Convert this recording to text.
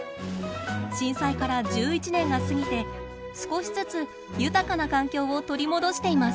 震災から１１年が過ぎて少しずつ豊かな環境を取り戻しています。